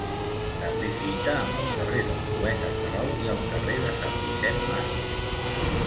També fita amb el carrer del Poeta Querol i el carrer de Sant Vicent Màrtir.